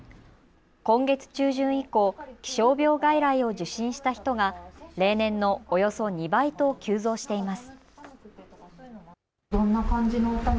今月中旬以降、気象病外来を受診した人が例年のおよそ２倍と急増しています。